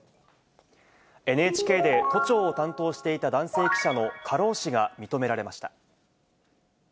ＮＨＫで都庁を担当していた男性記者の過労死が認められました。